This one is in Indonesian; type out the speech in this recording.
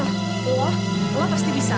allah allah pasti bisa